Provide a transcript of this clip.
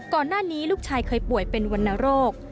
ก่อนหน้านี้ลูกชายเคยป่วยเป็นวรรณโรค